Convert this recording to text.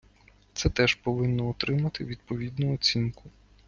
Це теж повинно отримати відповідну оцінку.